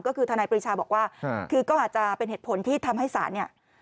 ก็คือทนายปริชาบอกว่าก็อาจจะเป็นเหตุผลที่ทำให้สาร